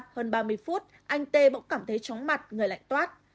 hơn ba mươi phút anh t bỗng cảm thấy chóng mặt người lạnh toát